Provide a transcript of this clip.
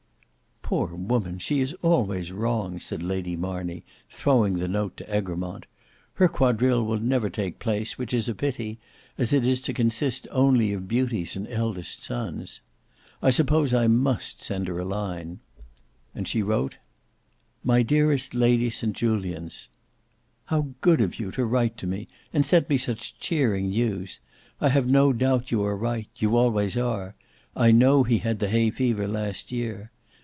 "Poor woman! she is always wrong," said Lady Marney throwing the note to Egremont. "Her quadrille will never take place, which is a pity, as it is to consist only of beauties and eldest sons. I suppose I must send her a line," and she wrote: "My dearest Lady St Julians, "How good of you to write to me, and send me such cheering news! I have no doubt you are right: you always are: I know he had the hay fever last year.